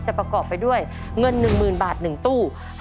ประกอบไปด้วยเงิน๑๐๐๐บาท๑ตู้